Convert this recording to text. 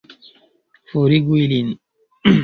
Forigu ilin!